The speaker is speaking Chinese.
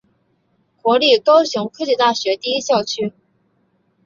国立高雄科技大学第一校区。